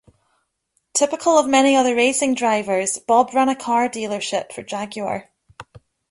Typical of many other racing drivers, Bob ran a car dealership for Jaguar.